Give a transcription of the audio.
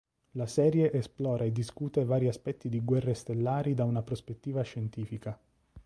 La serie esplora e discute vari aspetti di "Guerre stellari" da una prospettiva scientifica.